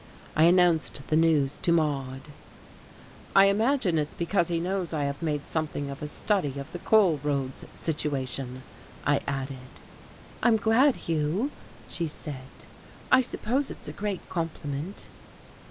I announced the news to Maude. "I imagine it's because he knows I have made something of a study of the coal roads situation," I added. "I'm glad, Hugh," she said. "I suppose it's a great compliment."